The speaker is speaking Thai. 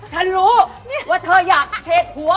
ฉันรู้ว่าเธออยากเฉดหัว